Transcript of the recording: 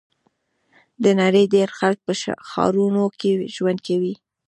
د نړۍ ډېری خلک په ښارونو کې ژوند کوي.